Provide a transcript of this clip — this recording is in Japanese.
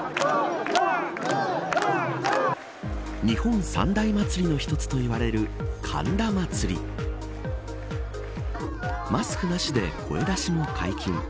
日本三大祭りの１つといわれる神田祭マスクなしで声出しも解禁。